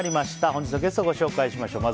本日のゲストをご紹介します。